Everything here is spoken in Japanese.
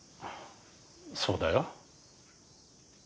そうだよ。